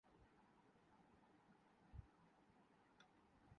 Alberto Del Rio W W E چھوڑنے کے لیے تیار